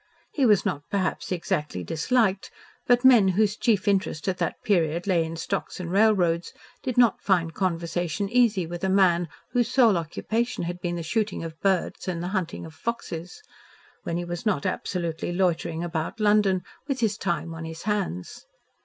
He was not perhaps exactly disliked, but men whose chief interest at that period lay in stocks and railroads, did not find conversation easy with a man whose sole occupation had been the shooting of birds and the hunting of foxes, when he was not absolutely loitering about London, with his time on his hands.